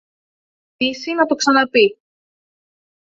Ας τολμήσει να το ξαναπεί